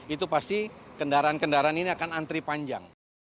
itu pasti kendaraan kendaraan ini akan antri panjang